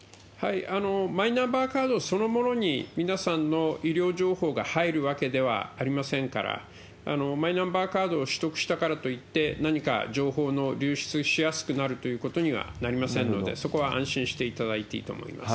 マイナンバーカードそのものに、皆さんの医療情報が入るわけではありませんから、マイナンバーカードを取得したからといって、何か情報の流出しやすくなるということにはなりませんので、そこは安心していただいていいと思います。